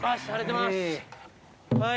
はい。